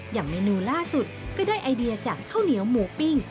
อย่างเมนูล่าสุดก็ได้ไอเดียจากข้าวเหนียวหมูปิ้ง